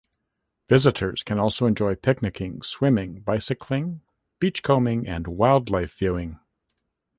Visitors can also enjoy picnicking, swimming, bicycling, beachcombing, and wildlife viewing.